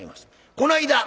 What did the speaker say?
こないだ